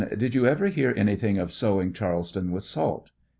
Did you over hear anything of sowing Charles ton with salt